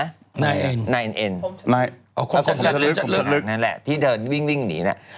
ผมจะลึกค่ะนั่นแหละที่เดินวิ่งหนีนั่นแหละ